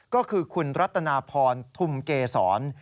ก็คือคุณรัตนาพรทุมเกษร